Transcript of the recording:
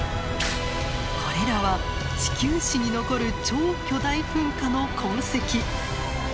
これらは地球史に残る超巨大噴火の痕跡。